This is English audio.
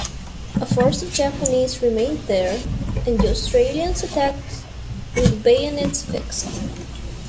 A force of Japanese remained there, and the Australians attacked with bayonets fixed.